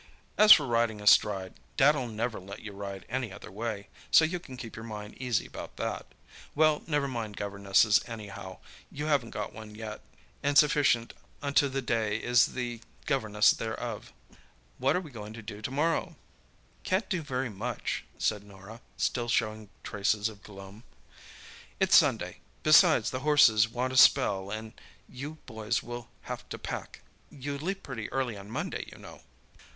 As for riding astride, Dad'll never let you ride any other way, so you can keep your mind easy about that. Well, never mind governesses, anyhow; you haven't got one yet, and sufficient unto the day is the governess thereof. What are we going to do to morrow?" "Can't do very much," said Norah, still showing traces of gloom. "It's Sunday; besides, the horses want a spell, and you boys will have to pack—you leave pretty early on Monday, you know."